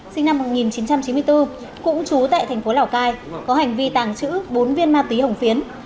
sinh năm một nghìn chín trăm chín mươi bốn cũng trú tại thành phố lào cai có hành vi tàng trữ bốn viên ma túy hồng phiến